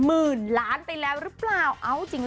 มีงานนี้ทำเอานุนิวอดปลื้มใจไม่ได้จริง